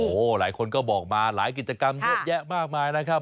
โอ้โหหลายคนก็บอกมาหลายกิจกรรมเยอะแยะมากมายนะครับ